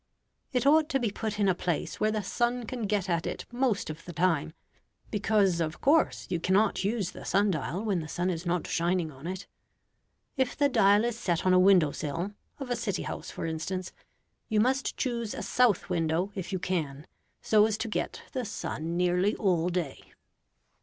It ought to be put in a place where the sun can get at it most of the time, because, of course, you cannot use the sun dial when the sun is not shining on it. If the dial is set on a window sill (of a city house, for instance) you must choose a south window if you can, so as to get the sun nearly all day.